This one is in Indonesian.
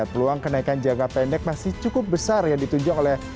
peluang kenaikan jangka pendek masih cukup besar yang ditunjuk oleh